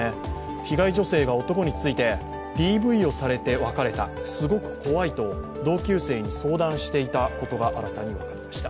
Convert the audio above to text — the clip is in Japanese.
被害女性が男についてＤＶをされて別れた、すごく怖いと同級生に相談していたことが新たに分かりました。